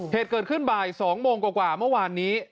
เหตุเกิดขึ้นบ่าย๒โมงกว่าเมื่อวานนี้